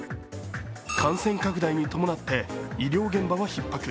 感染拡大に伴って医療現場はひっ迫。